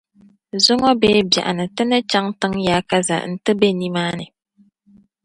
Zuŋɔ bee biɛɣuni ti ni chaŋ tiŋ’ yaakaza nti be nimaani.